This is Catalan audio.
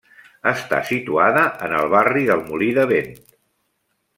Està situada en el barri del Molí de Vent.